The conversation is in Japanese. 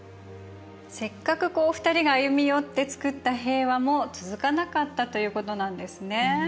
せっかくこう２人が歩み寄ってつくった平和も続かなかったということなんですね。